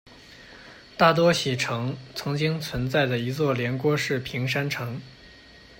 大多喜城曾经存在的一座连郭式平山城。